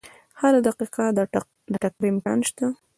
هره دقیقه د ټکر امکان شته.